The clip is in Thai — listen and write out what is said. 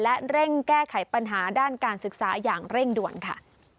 และเร่งแก้ไขปัญหาด้านการศึกษาอย่างเร่งด่วนค่ะ